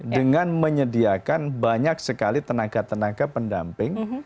dengan menyediakan banyak sekali tenaga tenaga pendamping